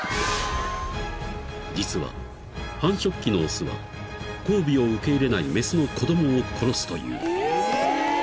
［実は繁殖期の雄は交尾を受け入れない雌の子供を殺すという］